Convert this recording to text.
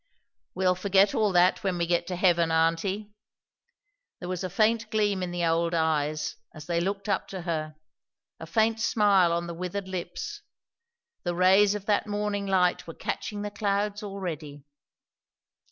"We'll forget all that when we get to heaven, aunty." There was a faint gleam in the old eyes, as they looked up to her; a faint smile on the withered lips. The rays of that morning light were catching the clouds already!